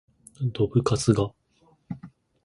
どぶカスが